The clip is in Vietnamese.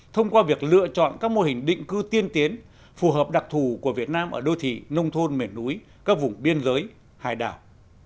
thông qua việc lựa chọn các mô hình định cư tiên tiến phù hợp đặc thù của việt nam ở đô thị nông thôn miền núi các vùng biên giới hải đảo